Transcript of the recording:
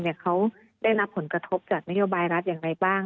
เขาได้รับผลกระทบจากนโยบายรัฐอย่างไรบ้าง